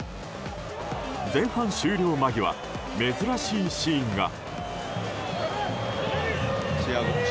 前半終了間際、珍しいシーンが。